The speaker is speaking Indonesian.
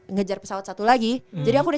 ngejar pesawat satu lagi jadi aku udah